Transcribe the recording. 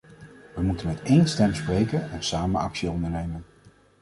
We moeten met één stem spreken en samen actie ondernemen.